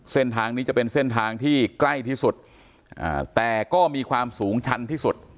เส้นทางนี้จะเป็นเส้นทางที่ใกล้ที่สุดแต่ก็มีความสูงชันที่สุด